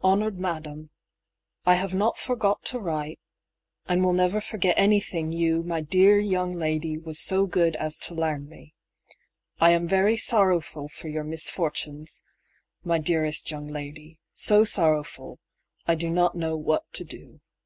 HONORED MADDAM, I have not forgot to write, and never will forget any thing you, my dear young lady, was so good as to larn me. I am very sorrowful for your misfortens, my dearest young lady; so sorrowfull, I do not know what to do.